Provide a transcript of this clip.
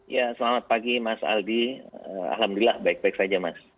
ya selamat pagi mas aldi alhamdulillah baik baik saja mas